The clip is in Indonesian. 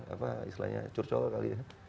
apa istilahnya curcol kali ya